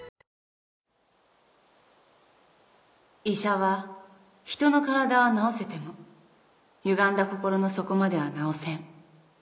「医者は人の体はなおせてもゆがんだ心の底まではなおせん」